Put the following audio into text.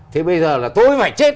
thì bây giờ là tôi phải chết